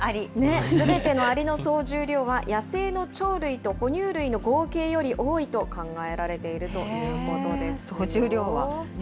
すべてのアリの総重量は野生の鳥類と哺乳類の合計より多いと考えられているということですよ。